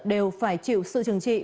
đều phải chịu sự trừng trị